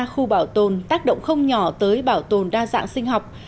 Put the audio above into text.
ba khu bảo tồn tác động không nhỏ tới bảo tồn đa dạng sinh học